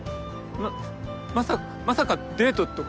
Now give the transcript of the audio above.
ままさまさかデートとか？